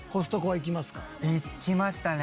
行きましたね。